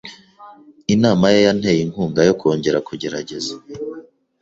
Inama ye yanteye inkunga yo kongera kugerageza.